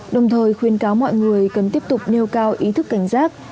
đồng thời khuyên cáo mọi người cần tiếp tục nêu cao ý thức cảnh giác